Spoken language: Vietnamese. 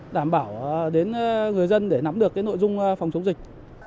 đảm bảo đến người dân để nắm được nội dung phòng chống dịch